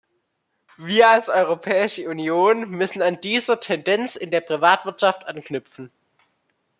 Wir als Europäische Union müssen an dieser Tendenz in der Privatwirtschaft anknüpfen.